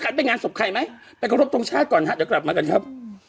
กันเป็นงานสบใครมั้ยไปกรบทรงชาติก่อนผมถ้าจะกลับมากันครับ